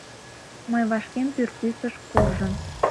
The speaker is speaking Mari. Мый вашкем пӱртӱсыш, куржын